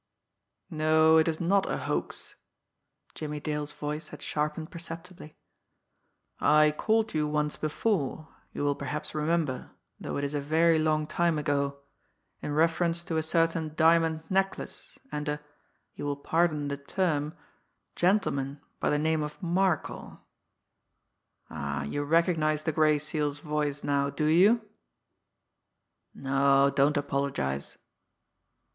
... No, it is not a hoax!" Jimmie Dale's voice had sharpened perceptibly "I called you once before, you will perhaps remember though it is a very long time ago, in reference to a certain diamond necklace and a you will pardon the term gentleman by the name of Markel. ... Ah, you recognise the Gray Seal's voice now, do you! ... No, don't apologise....